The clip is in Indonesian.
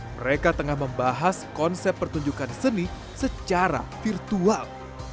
mereka tengah membahas konsep pertunjukan seni secara virtual